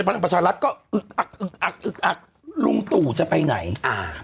พลังประชารัฐก็อึกอักอึกอักอึกอักลุงตู่จะไปไหนอ่า